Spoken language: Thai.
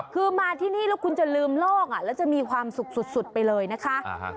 คือมาที่นี่แล้วคุณจะลืมโลกแล้วจะมีความสุขสุดไปเลยนะคะ